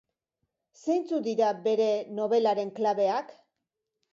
Zeintzuk dira bere nobelaren klabeak?